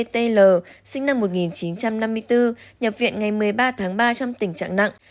tl sinh năm một nghìn chín trăm năm mươi bốn nhập viện ngày một mươi ba tháng ba trong tình trạng nặng